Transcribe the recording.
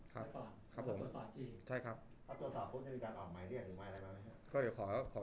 ก็จะมีการตรวจสอบอีกครั้งนึงครับ